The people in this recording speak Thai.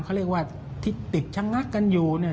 เขาเรียกว่าที่ติดชะงักกันอยู่เนี่ย